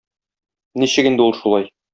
Ничек инде ул шулай?